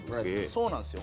そうなんですよ。